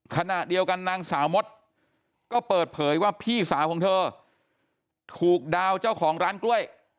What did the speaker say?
ขณะเดียวกันนางสาวมดก็เปิดเผยว่าพี่สาวของเธอถูกดาวเจ้าของร้านกล้วย